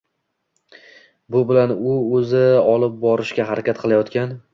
Bu bilan u oʻzi olib borishga harakat qilayotgan